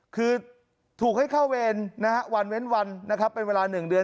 คือถูกให้เข้าเวรวันเว้นวันเป็นเวลา๑เดือน